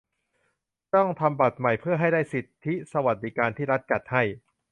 ต้องทำบัตรใหม่เพื่อให้ได้สิทธิ์สวัสดิการที่รัฐจัดให้